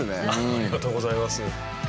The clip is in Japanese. ありがとうございます。